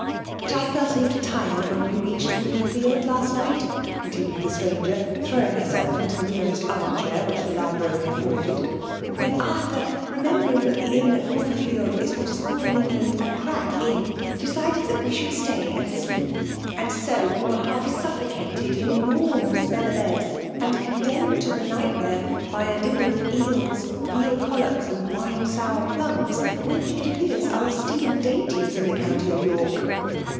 '' But I felt a little tired when we readied Wolverfield last night," continued the atran '. ger^ throwing herself into the nearest txm* ehair which the library afforded ;'^ when A^« thur^ remembering that the inn at Wolveriicid is what is called in England a crack inn, de^ cidcd that we should stay and slecpjp and so we were half suffocated in enormous feather beds, and condemned to the nightmare by a dinner of eels, veal coUops, and wine^oujT^ plums, which* it appears, are esteemed dliintiea. in the. county of York."